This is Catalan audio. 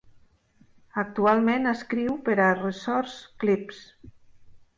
Actualment escriu per a Resource Clips.